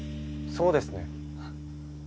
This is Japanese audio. そうですね。